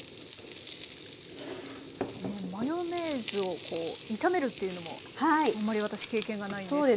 マヨネーズを炒めるっていうのもあんまり私経験がないんですけど。